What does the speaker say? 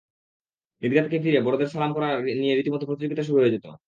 ঈদগাহ থেকে ফিরে বড়দের সালাম করা নিয়ে রীতিমতো প্রতিযোগিতা শুরু হয়ে যেত।